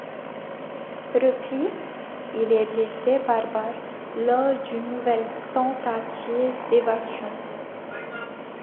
Repris, il est blessé par balle lors d'une nouvelle tentative d'évasion.